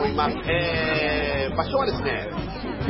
え場所はですね